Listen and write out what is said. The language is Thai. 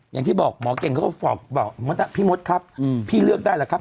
อย่างที่บอกหมอเก่งเขาก็ฝากบอกพี่มดครับพี่เลือกได้หรือครับ